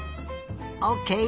オーケー！